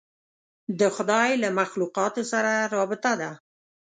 د خدای له مخلوقاتو سره رابطه ده.